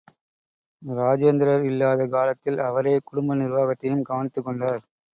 இராஜேந்திரர் இல்லாத காலத்தில் அவரே குடும்ப நிர்வாகத்தையும் கவனித்துக் கொண்டார்.